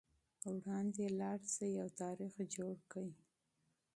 وړاندې لاړ شئ او تاریخ جوړ کړئ.